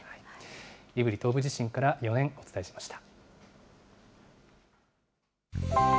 胆振東部地震から４年、お伝えしました。